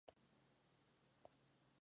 Reside en Córdoba.